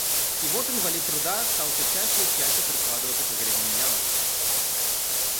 И вот инвалид труда стал всё чаще и чаще прикладываться к выгребным ямам.